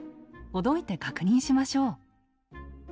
ほどいて確認しましょう。